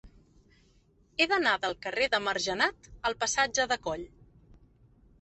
He d'anar del carrer de Margenat al passatge de Coll.